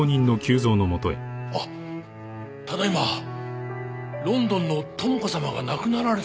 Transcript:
あっただ今ロンドンの朋子様が亡くなられたとお電話が。